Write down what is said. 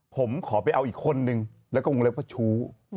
ผมขอไปเอาอีกคนนึงแล้วก็วงเล็บว่าชู้